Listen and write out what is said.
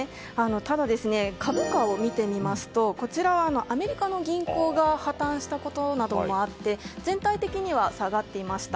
ただ、株価を見てみますとこちらは、アメリカの銀行が破綻したことなどもあって全体的には下がっていました。